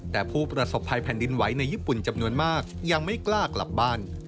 แต่ผู้ประสบภัยแผ่นดินไหวในญี่ปุ่นจำนวนมากยังไม่กล้ากลับบ้าน